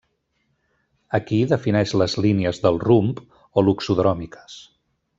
Aquí defineix les línies del rumb o loxodròmiques.